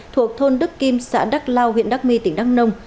thuộc thôn đức kim xã đắc lao huyện đắc my tỉnh đắk nông